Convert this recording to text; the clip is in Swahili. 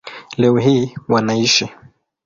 Leo hii wanaishi